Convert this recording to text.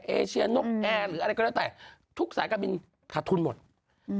เอเชียนกแอร์หรืออะไรก็แล้วแต่ทุกสายการบินขาดทุนหมดอืม